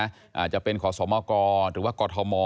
อาจจะเป็นขอสมกหรือว่ากอทม